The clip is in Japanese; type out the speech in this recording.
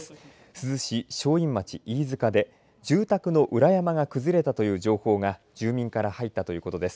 珠洲市正院町飯塚で住宅の裏山が崩れたという情報が住民から入ったということです。